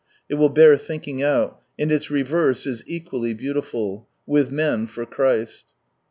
It will bear thinking out: and its reverse is equally beautiful. " With men for Christ."